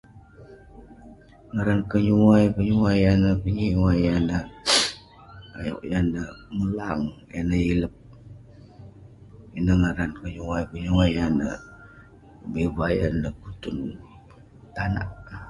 Ngaran kenyuai kenyuai yah nanouk [unintelligible] yan neh melang, yan neh ilep. Ineh ngaran kenyuai kenyuai [unintelligible] kutun tanak.